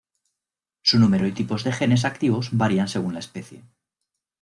Su número y tipos de genes activos varían según la especie.